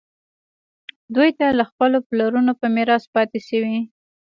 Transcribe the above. دوی ته له خپلو پلرونو په میراث پاتې شوي.